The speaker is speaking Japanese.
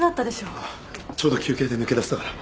ちょうど休憩で抜け出せたから。